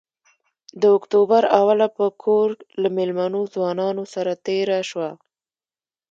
د اکتوبر اوله په کور له مېلمنو ځوانانو سره تېره شوه.